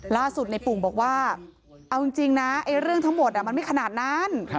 ล่าสุดในปุ่งบอกว่าเอาจริงนะเรื่องทั้งหมดมันไม่ขนาดนั้น